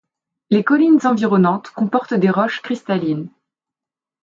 Les collines environnantes comportent des roches cristallines.